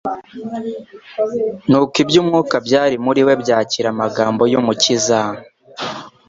Nuko iby'umwuka byari muri we byakira amagambo y'Umukiza.